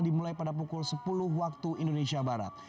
dimulai pada pukul sepuluh waktu indonesia barat